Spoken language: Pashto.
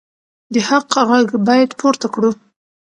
د حق غږ باید پورته کړو.